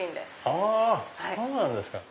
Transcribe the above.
あぁそうなんですか！